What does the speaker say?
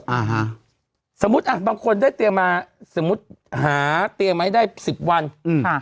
อ่าฮะสมมุติอ่ะบางคนได้เตรียมมาสมมุติหาเตียงไว้ได้สิบวันอืมค่ะ